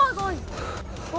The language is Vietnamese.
ôi ôi ôi